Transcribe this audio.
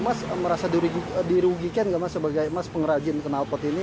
mas merasa dirugikan gak mas sebagai mas pengrajin kenalpot ini